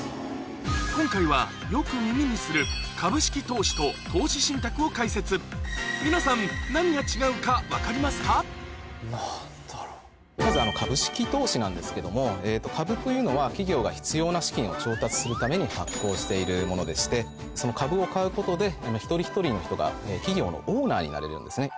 今回はよく耳にするを解説皆さんまず株式投資なんですけども株というのは企業が必要な資金を調達するために発行しているものでして株を買うことで一人一人の人が企業のオーナーになれるんですね。